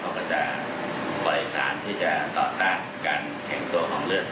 เค้าก็จะปล่อยซานการทางจุดที่จะตอบตลาดการแข็งตัวของเลือด